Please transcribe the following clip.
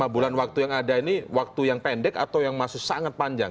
lima bulan waktu yang ada ini waktu yang pendek atau yang masih sangat panjang